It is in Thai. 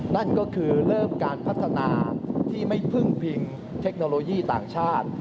นั่นก็คือเริ่มการพัฒนาที่ไม่พึ่งพิงเทคโนโลยีต่างชาติ